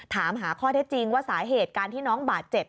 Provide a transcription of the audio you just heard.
ถามหาข้อเท็จจริงว่าสาเหตุการที่น้องบาดเจ็บ